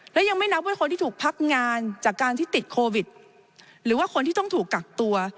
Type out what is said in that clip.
และยังไม่นับว่าคนที่ถูกพักงานจากการที่ติดโควิดหรือว่าคนที่ต้องถูกกักตัว